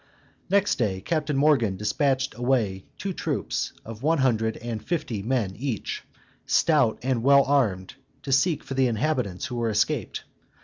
Next day Captain Morgan dispatched away two troops, of one hundred and fifty men each, stout and well armed, to seek for the inhabitants who were escaped.